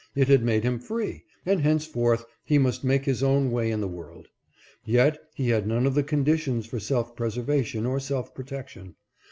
It had made him free, and henceforth he must make his own way in the world. Yet he had none of the conditions for self preservation or self protection.